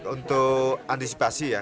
untuk antisipasi ya